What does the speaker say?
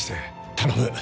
頼む。